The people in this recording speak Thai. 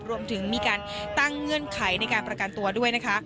รวมถึงมีการตั้งเงื่อนไขในการประกันตัวด้วยนะคะ